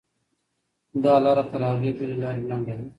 دا لاره تر هغې بلې لارې لنډه ده.